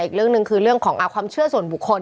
อีกเรื่องหนึ่งคือเรื่องของความเชื่อส่วนบุคคล